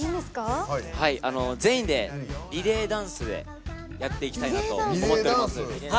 全員でリレーダンスでやっていきたいなと思っております。